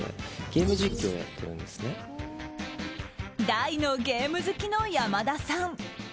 大のゲーム好きの山田さん。